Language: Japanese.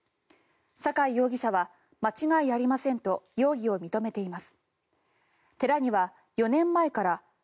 酒井容疑者は間違いありませんと容疑を認めています。